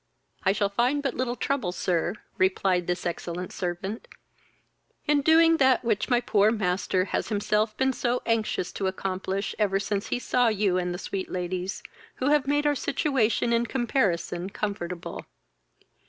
"I shall find but little trouble, sir, (replied this excellent servant,) in doing that which my poor master has himself been so anxious to accomplish ever since he saw you and the sweet ladies, who have made our situation in comparison comfortable.